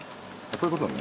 こういうことね。